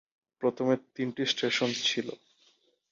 প্রথমে তিনটি স্টেশন ছিল।